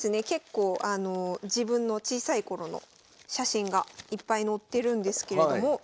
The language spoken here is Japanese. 結構あの自分の小さい頃の写真がいっぱい載ってるんですけれども。